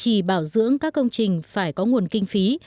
thì bảo dưỡng các công trình phải có nguồn kinh phí